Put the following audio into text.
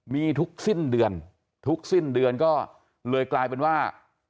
มีทุกสิ้นเดือนทุกสิ้นเดือนก็เลยกลายเป็นว่า